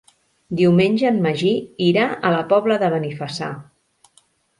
Diumenge en Magí irà a la Pobla de Benifassà.